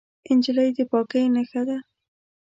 نجلۍ د پاکۍ نښه ده.